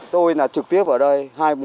tôi trực tiếp ở đây